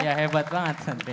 ya hebat banget santrinya